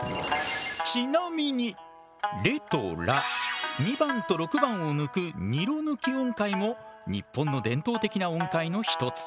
ちなみにレとラ２番と６番を抜くニロ抜き音階も日本の伝統的な音階の一つ。